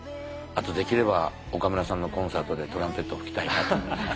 あとできれば岡村さんのコンサートでトランペット吹きたいなと。